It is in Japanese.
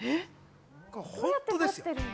本当ですよ。